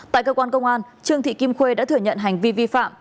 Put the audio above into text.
tại cơ quan công an trương thị kim khuê đã thừa nhận hành vi vi phạm